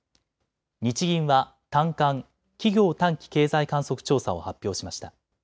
日銀は短観・企業短期経済観測調査を発表しました。